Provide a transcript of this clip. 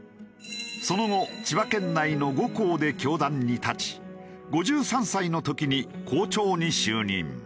その後千葉県内の５校で教壇に立ち５３歳の時に校長に就任。